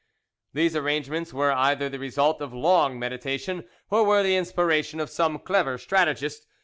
These arrangements were either the result of long meditation or were the inspiration of some clever strategist.